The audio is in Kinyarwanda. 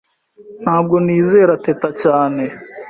Ntabwo nizera Teta cyane.